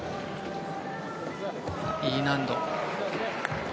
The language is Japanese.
Ｅ難度。